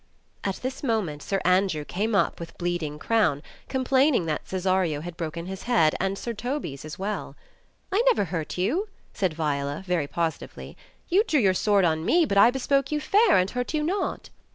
At this moment Sir Andrew came up with bleeding crown, com plaining that Cesario had broken his head, and Sir Toby's as well. "I never hurt you," said Viola, very positively ; "you drew your sword on me, but I bespoke you fair, and hurt you not."